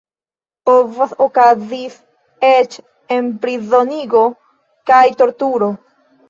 Povas okazis eĉ enprizonigo kaj torturo.